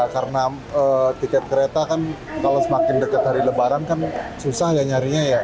karena tiket kereta kan kalau semakin dekat hari lebaran kan susah nyarinya ya